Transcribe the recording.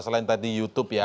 selain tadi youtube ya